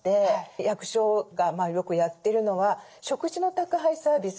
役所がよくやってるのは食事の宅配サービス。